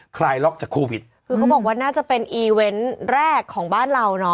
คลายล็อกจากโควิดคือเขาบอกว่าน่าจะเป็นอีเวนต์แรกของบ้านเราเนาะ